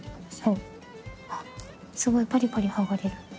すごいパリパリ剥がれる。